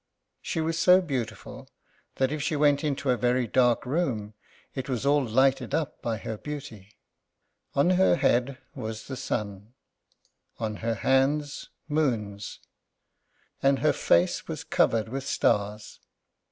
She was so beautiful that if she went into a very dark room it was all lighted up by her beauty. On her head was the sun; on her hands, moons; and her face was covered with stars.